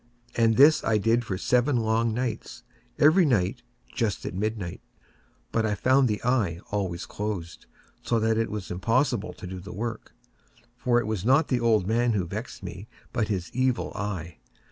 And this I did for seven long nights—every night just at midnight—but I found the eye always closed; and so it was impossible to do the work; for it was not the old man who vexed me, but his Evil Eye.